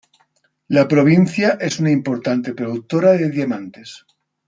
La provincia es una importante productora de diamantes.